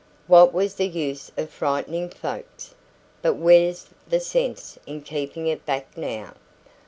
What was the use o' frightenin' folks? But where's the sense in keepin' it back now?